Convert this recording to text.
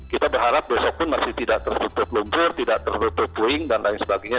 kita berharap besok pun masih tidak tertutup lumpur tidak tertutup puing dan lain sebagainya